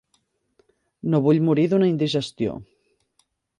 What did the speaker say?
No vull morir d'una indigestió.